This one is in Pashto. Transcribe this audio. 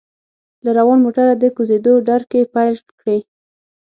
له روان موټره د کوزیدو دړکې پېل کړې.